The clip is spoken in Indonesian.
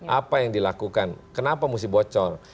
apa yang dilakukan kenapa mesti bocor